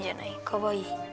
かわいい。